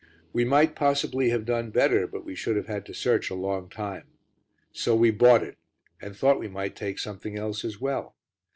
We might possibly have done better, but we should have had to search a long time. So we bought it and thought we might take something else as well.